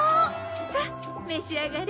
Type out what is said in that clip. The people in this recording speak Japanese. さあ召し上がれ。